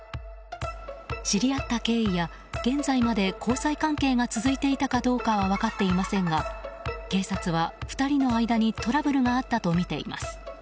知り合った経緯や、現在まで交際関係が続いていたかどうかは分かっていませんが警察は、２人の間にトラブルがあったとみています。